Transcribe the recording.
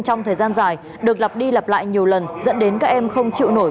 trong thời gian dài được lặp đi lặp lại nhiều lần dẫn đến các em không chịu nổi